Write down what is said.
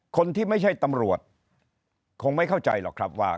คนที่ไม่ใช่ตำรวจคงไม่เข้าใจหรอกครับว่า